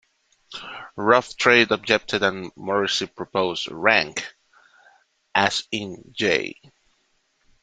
Rough Trade objected and Morrissey proposed "Rank", "as in 'J.